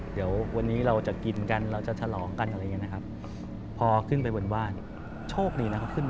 เดี๋ยววันนี้เราจะกินกันเราจะทรลองกันอะไรอย่างนี้นะครับ